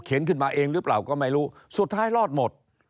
ขึ้นมาเองหรือเปล่าก็ไม่รู้สุดท้ายรอดหมด